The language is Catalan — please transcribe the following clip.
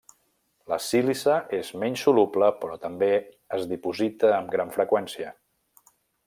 La sílice és menys soluble però també es diposita amb gran freqüència.